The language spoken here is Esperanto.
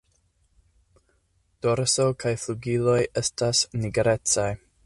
Dorso kaj flugiloj estas nigrecaj.